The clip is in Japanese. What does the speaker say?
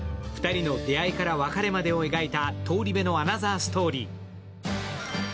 ２人の出会いから別れまでを描いた「東リベ」のアナザーストーリー。